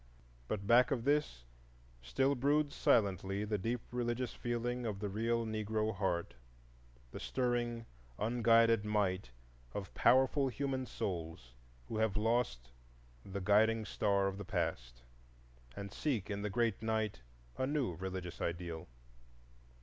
But back of this still broods silently the deep religious feeling of the real Negro heart, the stirring, unguided might of powerful human souls who have lost the guiding star of the past and seek in the great night a new religious ideal.